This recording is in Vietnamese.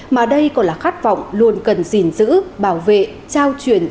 mà đây còn là khát vọng luôn cần gìn giữ bảo vệ trao truyền